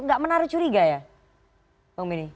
nggak menaruh curiga ya bang benny